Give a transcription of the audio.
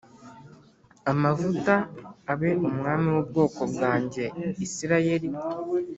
amavuta abe umwami w ubwoko bwanjye Isirayeli